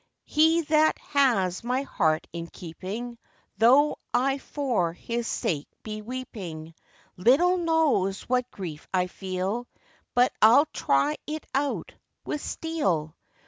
'He that has my heart in keeping, Though I for his sake be weeping, Little knows what grief I feel; But I'll try it out with steel.